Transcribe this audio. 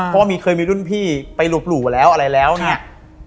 เพราะว่ามีเคยมีรุ่นพี่ไปหลบหลู่แล้วอะไรแล้วเนี่ย